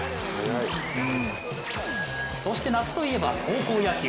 そして夏といえば高校野球。